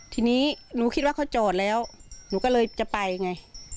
ทีนี้หนูคิดว่าเขาจอดแล้วหนูก็เลยจะไปไง